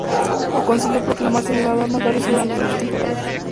Oh consiguió proclamarse jugador más valioso durante ocho temporadas.